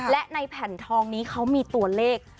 และในแผ่นทองนี้เขามีตัวเลข